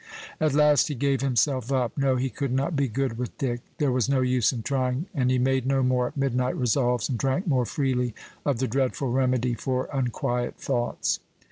At last he gave himself up. No, he could not be good with Dick there was no use in trying! and he made no more midnight resolves, and drank more freely of the dreadful remedy for unquiet thoughts.